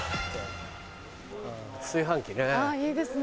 炊飯器ね。